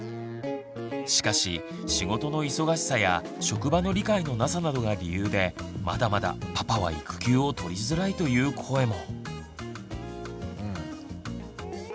しかし仕事の忙しさや職場の理解のなさなどが理由でまだまだパパは育休を取りづらいという声も。